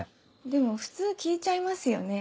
でも普通聞いちゃいますよね